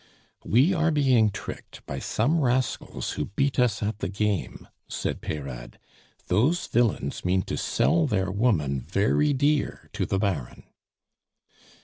'" "We are being tricked by some rascals who beat us at the game," said Peyrade. "Those villains mean to sell their woman very dear to the Baron."